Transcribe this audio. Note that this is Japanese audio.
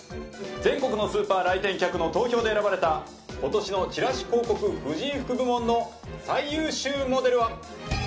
全国のスーパー来店客の投票で選ばれた今年のチラシ広告婦人服部門の最優秀モデルは。